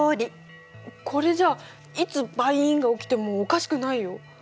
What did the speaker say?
これじゃあいつ「バイン！」が起きてもおかしくないよ。